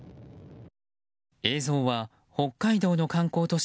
映像は、北海道の観光都市